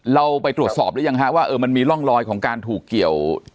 เราไปตรวจสอบหรือยังฮะว่ามันมีร่องรอยของการถูกเกี่ยว